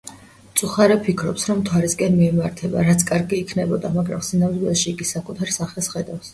მწუხარე ფიქრობს, რომ მთვარისკენ მიემართება, რაც კარგი იქნებოდა, მაგრამ სინამდვილეში იგი საკუთარ სახეს ხედავს.